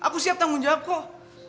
bisa anda negro kalau boleh